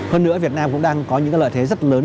hơn nữa việt nam cũng đang có những lợi thế rất lớn